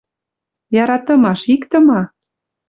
Яратымаш иктӹ ма?